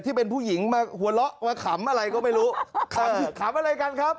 ที่เป็นผู้หญิงมาหัวเราะมาขำอะไรก็ไม่รู้ขำขำอะไรกันครับ